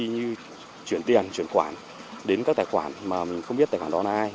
như chuyển tiền chuyển khoản đến các tài khoản mà mình không biết tài khoản đó là ai